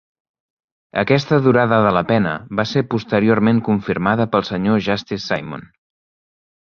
Aquesta durada de la pena va ser posteriorment confirmada pel Sr. Justice Simon.